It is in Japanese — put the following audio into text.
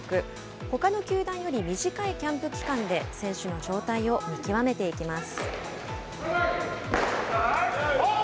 ほかの球団より短いキャンプ期間で、選手の状態を見極めていきます。